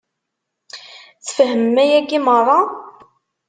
Tfehmem ayagi meṛṛa?